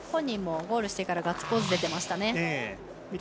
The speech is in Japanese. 本人もゴールしてからガッツポーズ出てましたね。